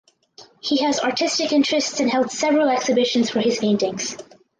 He has artistic interests and held several exhibitions for his paintings.